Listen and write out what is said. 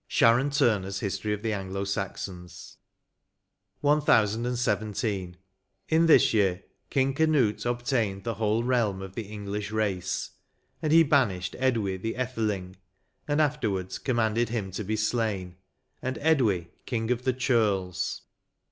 — Sharon Turners *' History of the Anglo Saxons" "1017. In this year King Canute obtained the whole realm of the English race. And he banished Edwy the Etheling, and afterwards commanded him to be slain, and Edwy, King of the Churls."